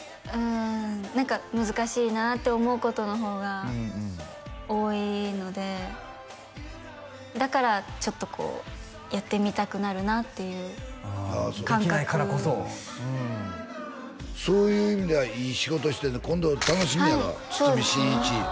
うん何か難しいなって思うことのほうが多いのでだからちょっとこうやってみたくなるなっていう感覚できないからこそそういう意味ではいい仕事してるね今度楽しみやな堤真一